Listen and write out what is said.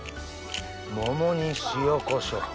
桃に塩コショウ。